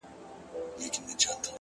د دې وطن د هر يو گل سره کي بد کړې وي ـ